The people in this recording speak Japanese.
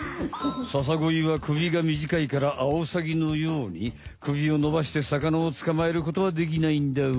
ササゴイは首が短いからアオサギのように首をのばして魚をつかまえることはできないんだわ。